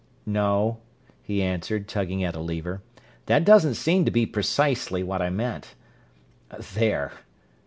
"No," he answered, tugging at a lever. "That doesn't seem to be precisely what I meant. There!"